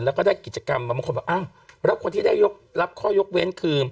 แล้วก็ได้กิจกรรมบางคนบอกอ้าวแล้วคนที่ได้ยกรับข้อยกเว้นคือ